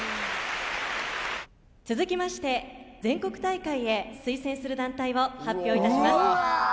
続きまして、全国大会へ推薦する団体を発表いたします。